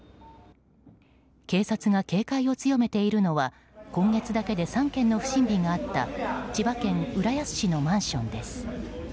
警察が警戒を強めているのは今月だけで３件の不審火があった千葉県浦安市のマンションです。